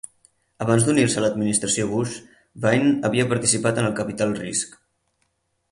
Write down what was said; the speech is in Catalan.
Abans d'unir-se a l'Administració Bush, Wynne havia participat en el capital risc.